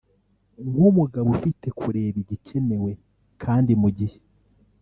nk’umugabo ufite kureba igikenewe kandi mu gihe